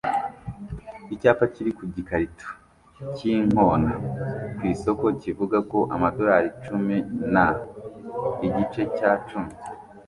Icyapa kiri ku gikarito cy'inkona ku isoko kivuga ko amadorari icumi na $ igice cya cumi